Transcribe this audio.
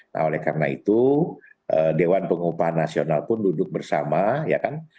nah oleh karena itu dewan pengupahan nasional pun duduk bersama ya kan